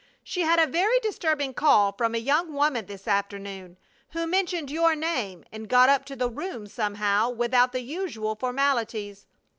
She had a very disturbing call from a young woman this afternoon, who mentioned your name and got up to the room somehow without the usual formalities.